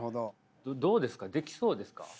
どうですかできそうですか？